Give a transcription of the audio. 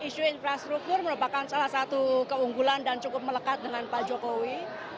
isu infrastruktur merupakan salah satu keunggulan dan cukup melekat dengan pak jokowi